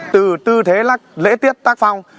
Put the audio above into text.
từ tư thế lễ tiết tác phong